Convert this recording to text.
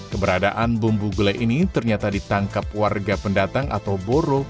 keberadaan bumbu gulai ini ternyata ditangkap warga pendatang atau boro